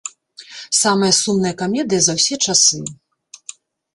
Самая сумнае камедыя за ўсе часы!